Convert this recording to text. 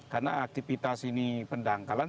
karena aktivitas ini pendangkalan